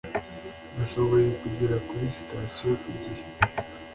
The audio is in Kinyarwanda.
nashoboye kugera kuri sitasiyo ku gihe